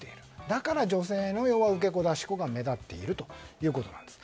だから女性の受け子、出し子が目立っているということなんです。